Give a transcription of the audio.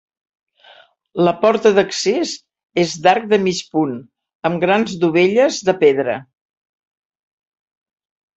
La porta d'accés és d'arc de mig punt, amb grans dovelles de pedra.